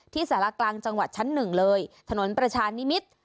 ที่สระกลางจังหวัดชั้น๑เลยถนนประชานิมิตร